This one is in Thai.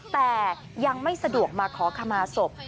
แต่ยังไม่สะดวกมาขอขมาศพ